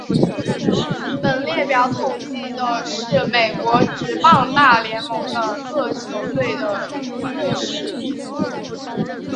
本列表统计的是美国职棒大联盟的各球队的队史纪录。